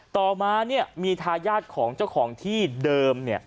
ต่อมามีทายาทของเจ้าของที่เดิม